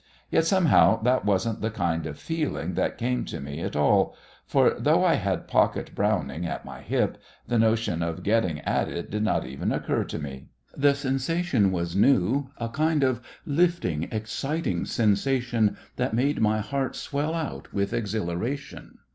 Yet, somehow, that wasn't the kind of feeling that came to me at all, for, though I had a pocket Browning at my hip, the notion of getting at it did not even occur to me. The sensation was new a kind of lifting, exciting sensation that made my heart swell out with exhilaration.